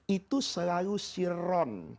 itu selalu sirron